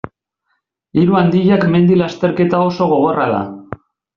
Hiru handiak mendi-lasterketa oso gogorra da.